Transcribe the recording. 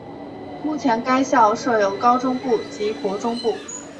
目前该校设有高中部及国中部。